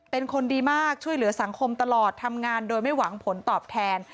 เป็นคนดีมากช่วยเหลือสังคมตลอดทำงานโดยไม่หวังผลตอบแทน